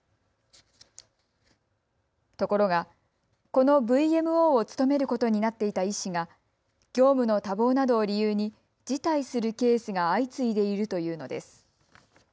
ところが、このＶＭＯを務めることになっていた医師が業務の多忙などを理由に辞退するケースが相次いでいるというのです。